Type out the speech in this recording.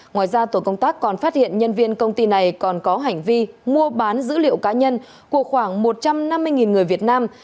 ngoài ra tổ công tác còn phát hiện nhân viên công ty này còn có hành vi mua bán dữ liệu cá nhân của khoảng một trăm năm mươi người việt nam